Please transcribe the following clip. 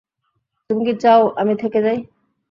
তুমি কি চাও আমি থেকে যাই?